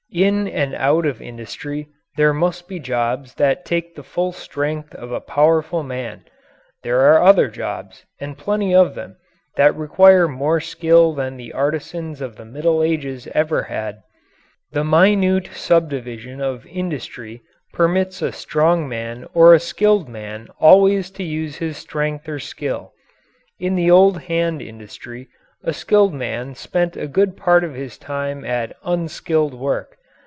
In and out of industry there must be jobs that take the full strength of a powerful man; there are other jobs, and plenty of them, that require more skill than the artisans of the Middle Ages ever had. The minute subdivision of industry permits a strong man or a skilled man always to use his strength or skill. In the old hand industry, a skilled man spent a good part of his time at unskilled work.